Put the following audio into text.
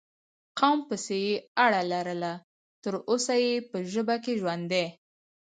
قوم پسې یې اړه لرله، تر اوسه یې په ژبه کې ژوندی